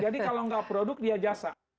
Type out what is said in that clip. jadi kalau nggak produk dia jasa